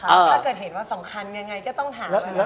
ถ้าเกิดเห็นว่าสำคัญยังไงก็ต้องหาชนะ